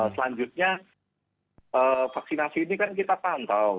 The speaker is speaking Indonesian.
selanjutnya vaksinasi ini kan kita pantau